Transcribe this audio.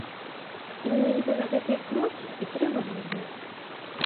І менавіта на гэтыя крокі і трэба глядзець.